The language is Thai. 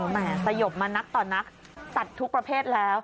แม่สยบมานักต่อนักสัตว์ทุกประเภทแล้ว